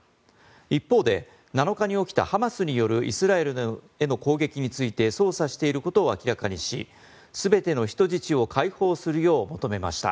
一方で７日に起きたハマスによるイスラエルへの攻撃について捜査していることを明らかにし全ての人質を解放するよう求めました。